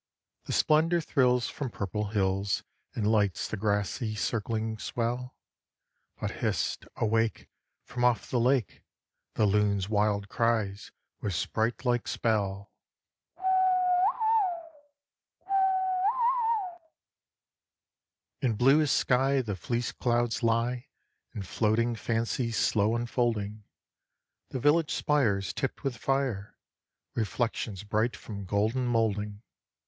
The splendor thrills from purple hills, And lights the grassy circling swell; But, hist! awake! From off the lake The loon's wild cries, with sprite like spell, "Ke woi o! Ke we oi o!" In bluest sky the fleece clouds lie, In floating fancies slow unfolding; The village spire is tipped with fire, Reflections bright from golden moulding.